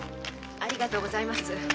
ありがとうございます。